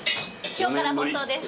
今日から放送です。